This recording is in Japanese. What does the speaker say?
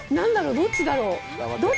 どっちだろう？